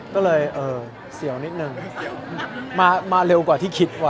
ก็เลยเออเสียวนิดนึงมาเร็วกว่าที่คิดว่